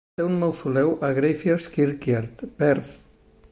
Té un mausoleu a Greyfriars Kirkyard, Perth.